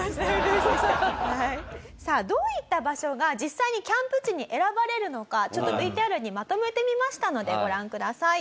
どういった場所が実際にキャンプ地に選ばれるのかＶＴＲにまとめてみましたのでご覧ください。